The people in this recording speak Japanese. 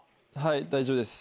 大丈夫です。